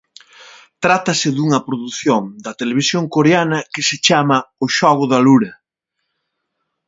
Trátase dunha produción da televisión coreana que se chama "O xogo da lura".